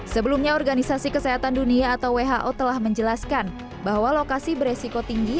sebelumnya organisasi kesehatan dunia atau who telah menjelaskan bahwa lokasi beresiko tinggi